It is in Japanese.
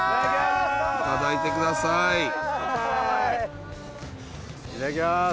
いただきます。